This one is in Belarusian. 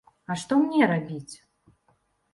А што мне рабіць?